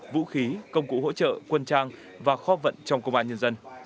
vũ khí công cụ hỗ trợ quân trang và kho vận trong công an nhân dân